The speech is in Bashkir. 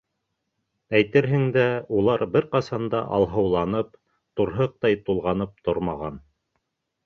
Әйтерһең дә, улар бер ҡасан да алһыуланып, турһыҡтай тулғанып тормаған.